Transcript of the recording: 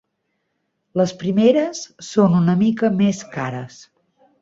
Les primeres són una mica més cares.